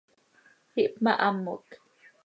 Ihpmahamoc.